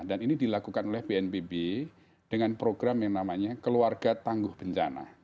dan ini dilakukan oleh pnpb dengan program yang namanya keluarga tangguh bencana